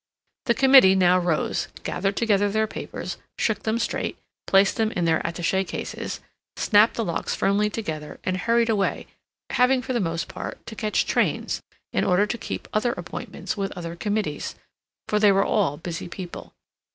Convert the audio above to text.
The committee now rose, gathered together their papers, shook them straight, placed them in their attache cases, snapped the locks firmly together, and hurried away, having, for the most part, to catch trains, in order to keep other appointments with other committees, for they were all busy people.